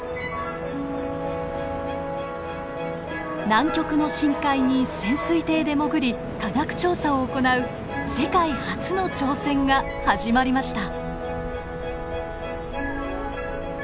南極の深海に潜水艇で潜り科学調査を行う世界初の挑戦が始まりました。